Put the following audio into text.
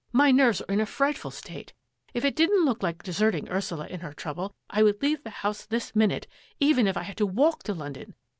My nerves are in a frightful state. If it didn't look like deserting Ursula in her trouble, I would leave the house this minute, even if I had to walk to London.